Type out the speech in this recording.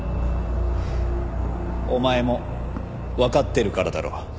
お前もわかってるからだろ。